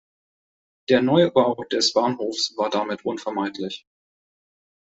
Der Neubau des Bahnhofs war damit unvermeidlich.